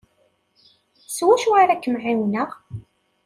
S wacu ara kem-ɛiwneɣ?